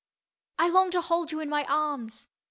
I long to hold you in my arms.